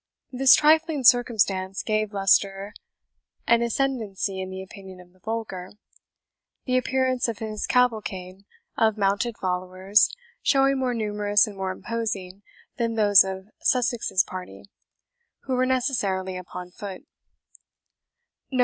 This trifling circumstance gave Leicester a ascendency in the opinion of the vulgar, the appearance of his cavalcade of mounted followers showing more numerous and more imposing than those of Sussex's party, who were necessarily upon foot.